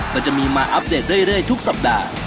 ก็จะมีมาอัปเดตเรื่อยทุกสัปดาห์